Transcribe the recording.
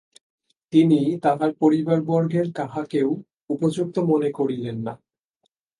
তিনি তাঁহার পরিবারবর্গের কাহাকেও উপযুক্ত মনে করিলেন না।